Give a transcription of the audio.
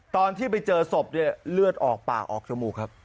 ตอนที่ไปเจอศพเนี่ยเลือดออกปากออกจมูกครับ